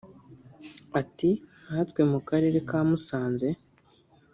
Ati“ Nka twe mu karere ka Musanze